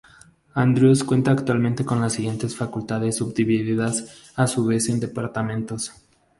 Andrews cuenta actualmente con las siguientes facultades, subdivididas a su vez en departamentos.